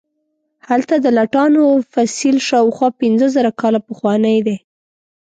هلته د لټانو فسیل شاوخوا پنځه زره کاله پخوانی دی.